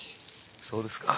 そうですか。